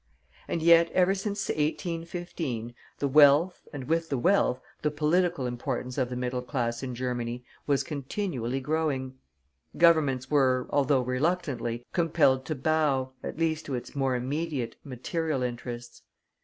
And yet, ever since 1815, the wealth, and with the wealth the political importance of the middle class in Germany, was continually growing. Governments were, although reluctantly, compelled to bow, at least to its more immediate material interests.